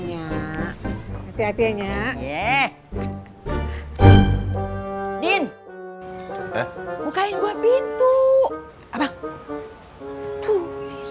ya hatinya ye din mukain gua pintu apa tuh